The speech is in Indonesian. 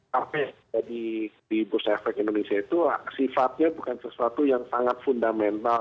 tapi di bursa efek indonesia itu sifatnya bukan sesuatu yang sangat fundamental